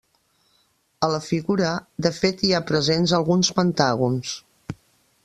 A la figura, de fet hi ha presents alguns pentàgons.